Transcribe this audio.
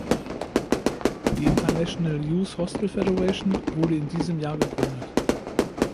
Die International Youth Hostel Federation wurde in diesem Jahr gegründet.